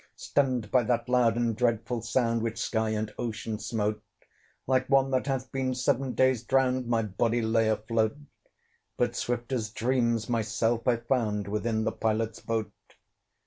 Stunned by that loud and dreadful sound, Which sky and ocean smote, Like one that hath been seven days drowned My body lay afloat; But swift as dreams, myself I found Within the Pilot's boat.